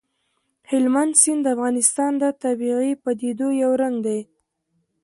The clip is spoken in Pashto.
هلمند سیند د افغانستان د طبیعي پدیدو یو رنګ دی.